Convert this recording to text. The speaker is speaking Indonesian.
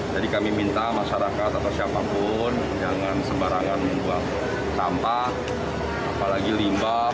jadi kami minta masyarakat atau siapapun jangan sembarangan membuat sampah apalagi limbah